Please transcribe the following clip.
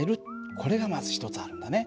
これがまず１つあるんだね。